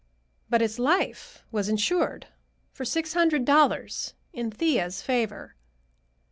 But his life was insured for six hundred dollars in Thea's favor."